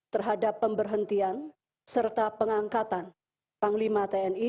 terhadap pemberhentian serta pengangkatan panglima tni